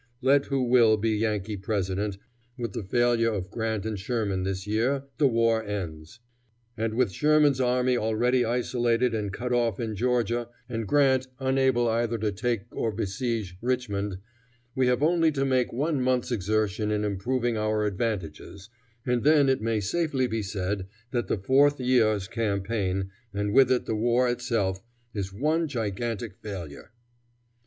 Let who will be Yankee President, with the failure of Grant and Sherman this year, the war ends. And with Sherman's army already isolated and cut off in Georgia, and Grant unable either to take or besiege Richmond, we have only to make one month's exertion in improving our advantages, and then it may safely be said that the fourth year's campaign, and with it the war itself, is one gigantic failure."